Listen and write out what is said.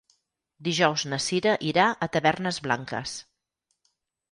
Dijous na Cira irà a Tavernes Blanques.